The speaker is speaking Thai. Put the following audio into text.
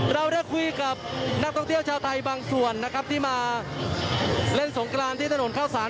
เราได้คุยกับนักท่องเที่ยวชาวไทยบางส่วนนะครับที่มาเล่นสงกรานที่ถนนเข้าสาร